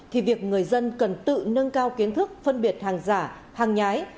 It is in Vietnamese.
thì việc người dân cần tự nâng cao kiến thức phân biệt hàng giả hàng nhái